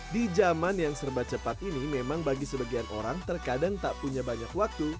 di zaman yang serba cepat ini memang bagi sebagian orang terkadang tak punya banyak waktu